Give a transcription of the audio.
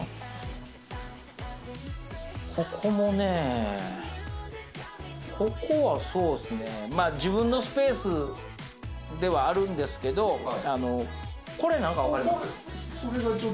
ここもね、ここは自分のスペースではあるんですけど。これ何かわかります？